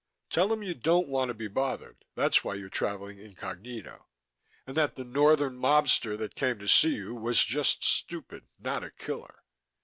Tell them you don't want to be bothered, that's why you're travelling incognito, and that the northern mobster that came to see you was just stupid, not a killer.